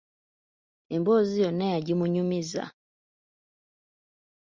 Emboozi yonna yagimunyumiza.